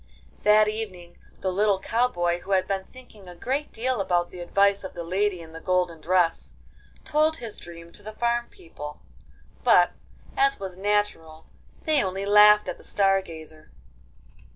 That evening the little cow boy, who had been thinking a great deal about the advice of the lady in the golden dress, told his dream to the farm people. But, as was natural, they only laughed at the Star Gazer.